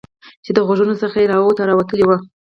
چې د غوږونو څخه یې روات راوتلي وو